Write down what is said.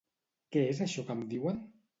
Què és això que em diuen?